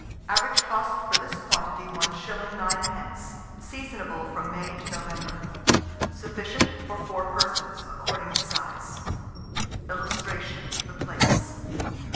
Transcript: Average cost for this quantity, 1s. 9d. Seasonable from May to November. Sufficient for 4 persons; according to size. [Illustration: THE PLAICE.